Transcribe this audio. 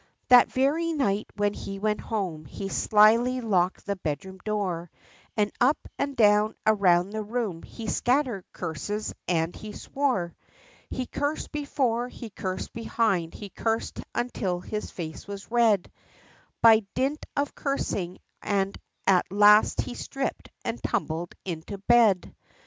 That very night when he went home, he slyly locked the bedroom door, And up and down around the room he scattered curses, and he swore, He cursed before, he cursed behind, he cursed until his face was red, By dint of cursing, and at last he stripped, and tumbled into bed.